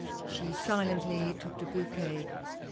She silently took the bouquet.